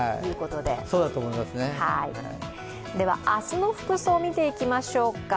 では明日の服装見ていきましょうか。